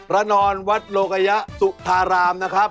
ระนอนวัดโลกยะสุธารามนะครับ